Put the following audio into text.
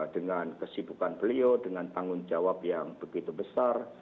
dengan kesibukan beliau dengan tanggung jawab yang begitu besar